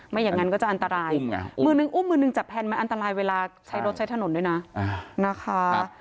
อย่างนั้นก็จะอันตรายมือนึงอุ้มมือนึงจับแนนมันอันตรายเวลาใช้รถใช้ถนนด้วยนะนะคะ